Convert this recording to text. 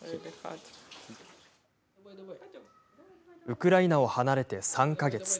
ウクライナを離れて３か月。